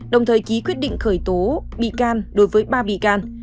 đồng thời ký quyết định khởi tố bị can đối với ba bị can